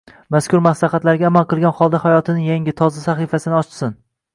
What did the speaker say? Mazkur maslahatlarga amal qilgan holda hayotining yangi, toza sahifasini ochsin.